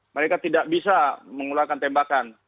mereka tidak bisa mengeluarkan tembakan